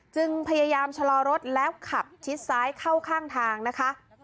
จึงพยายามชะลอรถแล้วขับชิดซ้ายเข้าข้างทางนะคะ